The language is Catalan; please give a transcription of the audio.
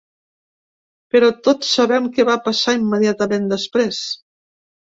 Però tots sabem què va passar immediatament després.